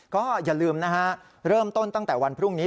ก็อย่าลืมนะฮะเริ่มต้นตั้งแต่วันพรุ่งนี้